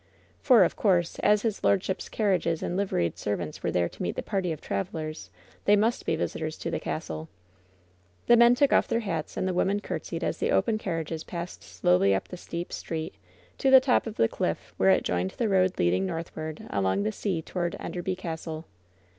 For, of course, as his lordship^s carriages and liveried servants were there to meet the party of travelers, they must be visitors to the castle. The men took off their hats and the women courtesied as the open carriages passed slowly up the steep street to the top of the cliff, where it joined the road leading northward along the sea toward Enderby Castle.